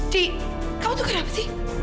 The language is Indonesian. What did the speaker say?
t kamu tuh kenapa sih